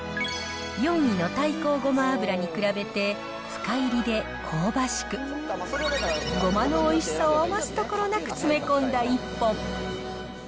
４位の太香胡麻油に比べて、深いりで香ばしく、ごまのおいしさを余すところなく詰め込んだ一本。